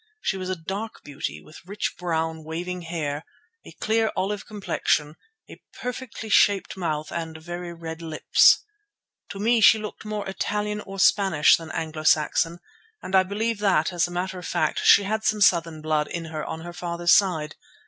She was a dark beauty, with rich brown, waving hair, a clear olive complexion, a perfectly shaped mouth and very red lips. To me she looked more Italian or Spanish than Anglo Saxon, and I believe that, as a matter of fact, she had some southern blood in her on her father's side.